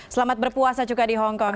selamat berpuasa juga di hongkong